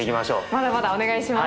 まだまだお願いします。